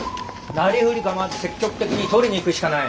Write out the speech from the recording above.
なりふり構わず積極的に取りに行くしかない。